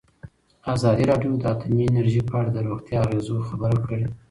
ازادي راډیو د اټومي انرژي په اړه د روغتیایي اغېزو خبره کړې.